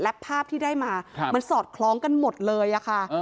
และภาพที่ได้มามันสอดคล้องกันหมดเลยอะค่ะ